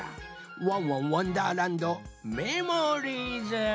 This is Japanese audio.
「ワンワンわんだーらんどメモリーズ」。